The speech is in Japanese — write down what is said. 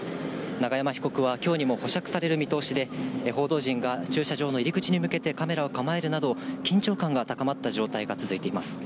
永山被告はきょうにも保釈される見通しで、報道陣が駐車場の入り口に向けてカメラを構えるなど、緊張感が高まった状態が続いています。